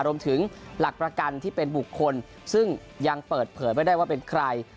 หลักประกันที่เป็นบุคคลซึ่งยังเปิดเผยไม่ได้ว่าเป็นใคร